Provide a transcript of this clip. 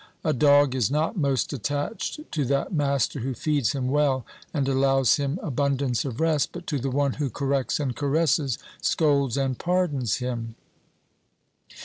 A dog is not most attached to that master who feeds him well and allows him abun dance of rest, but to the one who corrects and caresses, scolds and pardons him.